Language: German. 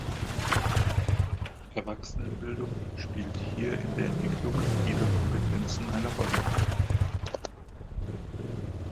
Erwachsenenbildung spielt hier in der Entwicklung dieser Kompetenzen eine Rolle.